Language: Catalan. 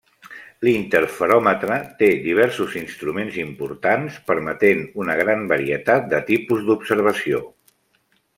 L'interferòmetre té diversos instruments importants, permetent una gran varietat de tipus d'observació.